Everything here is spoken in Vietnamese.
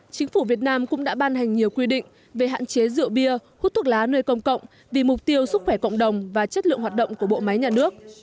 chính phủ việt nam cũng đã ban hành nhiều quy định về hạn chế rượu bia hút thuốc lá nơi công cộng vì mục tiêu sức khỏe cộng đồng và chất lượng hoạt động của bộ máy nhà nước